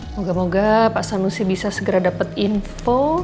moga moga pak sanusi bisa segera dapat info